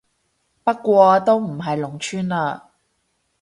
不過都唔係農村嘞